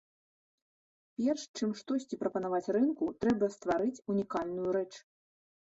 Перш, чым штосьці прапанаваць рынку, трэба стварыць унікальную рэч.